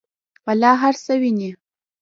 الله هر څه ویني.